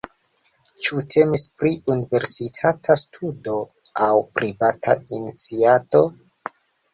Ĉu temis pri universitata studo aŭ privata iniciato?